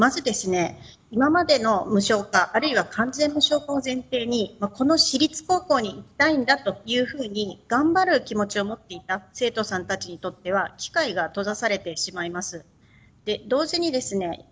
まず、今までの無償化あるいは完全無償化を前提にこの私立高校に行きたいんだというふうに頑張る気持ちを持っていった生徒さんたちにとっては機会が閉ざされてしまいます。